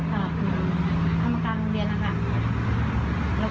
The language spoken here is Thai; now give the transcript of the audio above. ก็ตามธรรมการโรงเรียนนะครับ